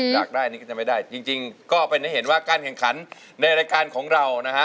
อยากได้นี่ก็จะไม่ได้จริงก็เป็นให้เห็นว่าการแข่งขันในรายการของเรานะฮะ